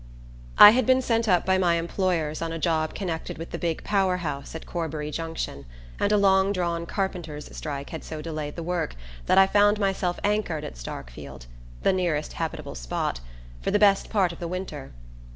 I had been sent up by my employers on a job connected with the big power house at Corbury Junction, and a long drawn carpenters' strike had so delayed the work that I found myself anchored at Starkfield the nearest habitable spot for the best part of the winter.